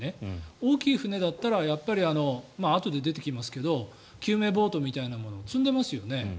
大きい船だったらあとで出てきますけど救命ボートみたいなものを積んでいますよね。